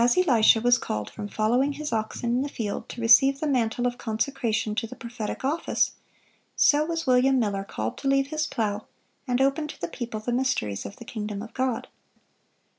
As Elisha was called from following his oxen in the field, to receive the mantle of consecration to the prophetic office, so was William Miller called to leave his plow, and open to the people the mysteries of the kingdom of God.